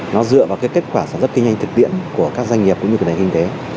nó dựa vào cái kết quả sản xuất kinh doanh thực tiễn của các doanh nghiệp cũng như của nền kinh tế